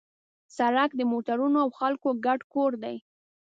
سړک د موټرونو او خلکو ګډ کور دی.